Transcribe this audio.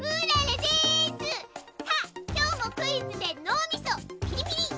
さあきょうもクイズでのうみそぴりぴり！